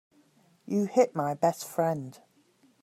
You hit my best friend.